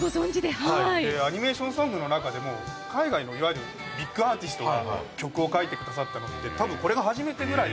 上川：アニメーションソングの中でも、海外の、いわゆるビッグアーティストが曲を書いてくださったのって多分、これが初めてぐらい。